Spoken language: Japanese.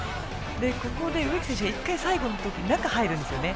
ここで植木選手が１回最後、中に入るんですね。